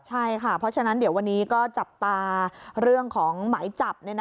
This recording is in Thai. ใช่ค่ะเพราะฉะนั้นเดี๋ยววันนี้ก็จับตาเรื่องของหมายจับ